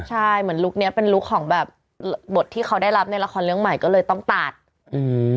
ใช่เหมือนลุคเนี้ยเป็นลุคของแบบบทที่เขาได้รับในละครเรื่องใหม่ก็เลยต้องตัดอืม